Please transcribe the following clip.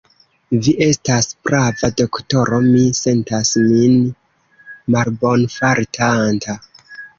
Vi estas prava, doktoro; mi sentas min malbonfartanta.